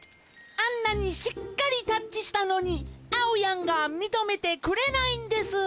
あんなにしっかりタッチしたのにあおやんがみとめてくれないんです。